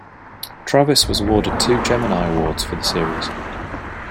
Travis was awarded two Gemini Awards for the series.